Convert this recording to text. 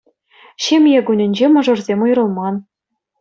Ҫемье кунӗнче мӑшӑрсем уйрӑлман